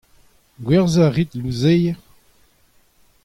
Gwerzhañ a rit louzeier ?